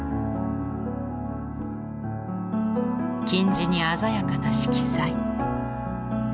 金地に鮮やかな色彩。